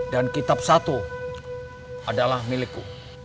dan kitab satu adalah milikku